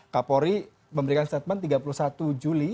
kapolri memberikan statement tiga puluh satu juli